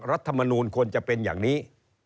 รัฐมนูลควรจะเป็นอย่างนี้